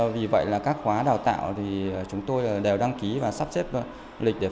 vì vậy là các khóa đào tạo thì chúng tôi đều đăng ký và sắp xếp lịch